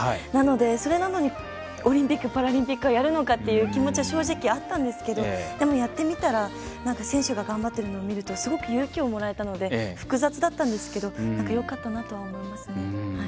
それなのにオリンピック・パラリンピックはやるのかって気持ちは正直あったんですけどでも、やってみたら選手が頑張っているのを見るとすごく勇気をもらえたので複雑だったんですけどよかったなと思いますね。